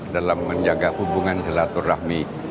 dalam menjaga hubungan silaturahmi